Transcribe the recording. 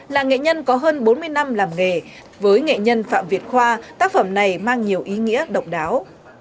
làng nghệ nhân có hơn bốn mươi năm làm nghề với nghệ nhân phạm việt khoa tác phẩm này mang nhiều ý nghĩa độc đáo